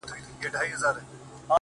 که انارگل وي او که وي د بادام گل گلونه’